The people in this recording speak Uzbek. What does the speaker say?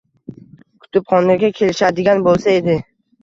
Kutubxonaga kelishadigan boʻlsa edi.